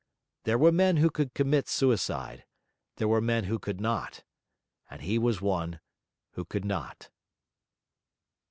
There were men who could commit suicide; there were men who could not; and he was one who could not.